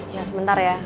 ya sebentar ya